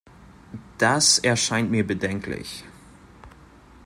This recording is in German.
Das erscheint mir bedenklich.